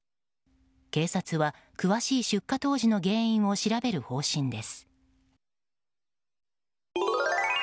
警察は詳しい出火当時の原因を調べる方針です。